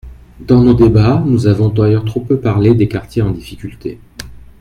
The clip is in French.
Dans nos débats, nous avons d’ailleurs trop peu parlé des quartiers en difficulté.